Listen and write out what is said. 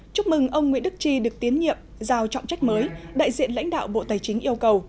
chúc mừng ông nguyễn đức chi được tiến nhiệm giao trọng trách mới đại diện lãnh đạo bộ tài chính yêu cầu